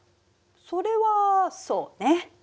それはそうね。